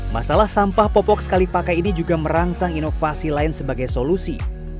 masalah sampah popok sekali pakai ini juga merangsang inovasi lain sebagai solusi